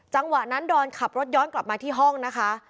จังหวะนั้นดอนขับรถย้อนกลับมาที่ห้องนะคะ